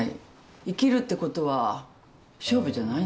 生きるってことは勝負じゃないんだ。